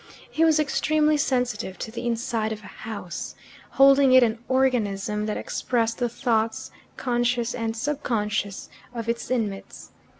He was extremely sensitive to the inside of a house, holding it an organism that expressed the thoughts, conscious and subconscious, of its inmates.